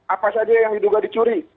apa saja yang diduga dicuri